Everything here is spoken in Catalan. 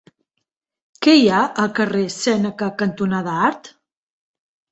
Què hi ha al carrer Sèneca cantonada Art?